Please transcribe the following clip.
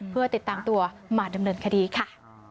เพื่อติดตามตัวมาดำเนินคดีค่ะ